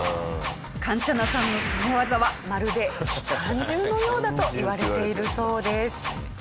カンチャナさんのスゴ技はまるで機関銃のようだといわれているそうです。